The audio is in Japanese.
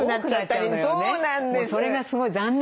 それがすごい残念だよね。